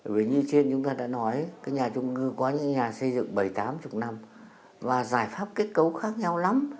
vì như trên chúng ta đã nói cái nhà trung cư có những nhà xây dựng bảy mươi tám chục năm và giải pháp kết cấu khác nhau lắm